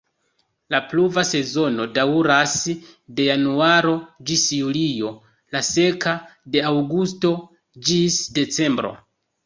La pluva sezono daŭras de januaro ĝis julio, la seka de aŭgusto ĝis decembro.